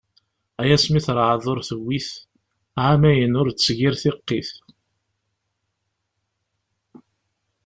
Ay asmi terɛed ur tewwit, ɛamayen ur d-tegir tiqqit.